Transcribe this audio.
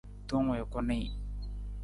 Tong wii ku nii.